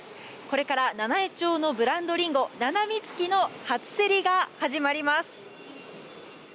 これから七飯町のブランドりんごななみつきの初競りが始まります。